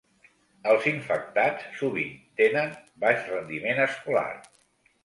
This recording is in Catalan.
Els infectats sovint tenen baix rendiment escolar.